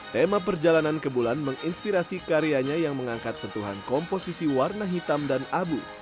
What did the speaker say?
tema perjalanan ke bulan menginspirasi karyanya yang mengangkat sentuhan komposisi warna hitam dan abu